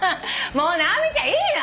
もう直美ちゃんいいの。